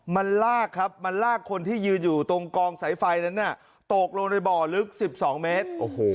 มันลากครับมันลากคนที่ยืนอยู่ตรงกองสายไฟนั้นตกลงในบ่อลึก๑๒เมตร